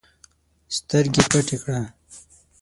سترګي پټي کړه!